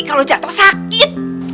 kalau jatuh sakit